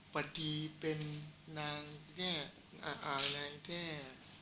ปฏิเป็นนางแค่อะไรแค่